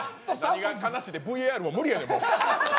何が悲しいって、ＶＡＲももう無理やねん。